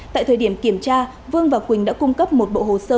tại thời điểm kiểm tra vương và quỳnh đã cung cấp một bộ hồ sơ